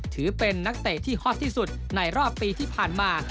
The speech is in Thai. ถือเป็นนักเตะที่ฮอตที่สุดในรอบปีที่ผ่านมา